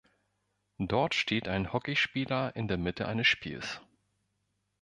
Dort steht ein Hockeyspieler in der Mitte eines Spiels.